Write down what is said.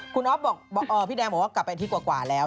คุณอ๊อฟพี่แดงบอกว่ากลับไปที่กว่าแล้ว